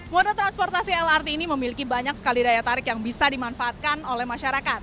moda transportasi lrt ini memiliki banyak sekali daya tarik yang bisa dimanfaatkan oleh masyarakat